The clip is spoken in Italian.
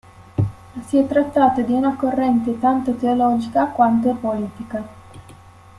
Si è trattato di una corrente tanto teologica quanto politica.